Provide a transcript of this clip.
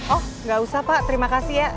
oh gak usah pak terima kasih ya